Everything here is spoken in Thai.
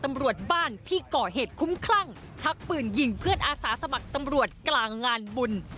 ตำรวจบ้านที่ก่อเหตุคุ้มคลั่งชักปืนยิงเพื่อนอาสาสมัครตำรวจกลางงานบุญ